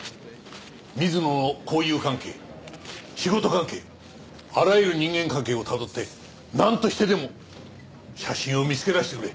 水野の交友関係仕事関係あらゆる人間関係をたどってなんとしてでも写真を見つけ出してくれ。